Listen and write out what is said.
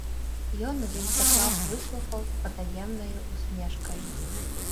Ён увесь даклад выслухаў з патаемнаю ўсмешкаю.